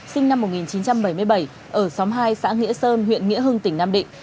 sinh năm một nghìn chín trăm bảy mươi bảy ở xóm hai xã nghĩa sơn huyện nghĩa hưng tỉnh nam định